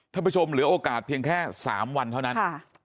ท่านผู้ชมเหลือโอกาสเพียงแค่๓วันเท่านั้น